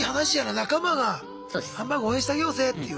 仲間がハンバーグ応援してあげようぜっていう。